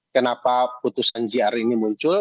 kenapa putusan jr ini muncul